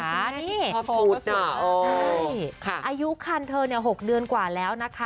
นี่ใช่อายุคันเธอเนี่ย๖เดือนกว่าแล้วนะคะ